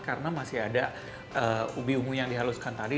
karena masih ada ubi ungu yang dihaluskan tadi